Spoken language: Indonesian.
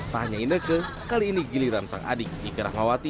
tanya indah kekus herawati kali ini giliran sang adik iker rahmawati